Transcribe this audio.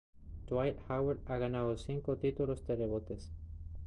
Dwight Howard ha ganado cinco títulos de rebotes.